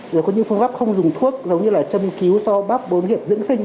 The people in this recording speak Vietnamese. rồi có những phương pháp không dùng thuốc giống như là châm cứu so bắp bốn hiệp